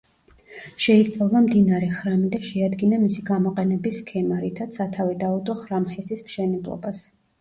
შეისწავლა მდინარე ხრამი და შეადგინა მისი გამოყენების სქემა, რითაც სათავე დაუდო ხრამჰესის მშენებლობას.